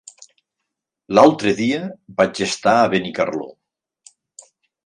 L'altre dia vaig estar a Benicarló.